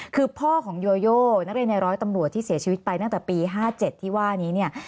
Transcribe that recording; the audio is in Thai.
คือพ่อของโยโยนักเรียนในร้อยตำรวจที่เสียชีวิตไปตั้งแต่ปี๕๗ที่ว่านี้เนี่ย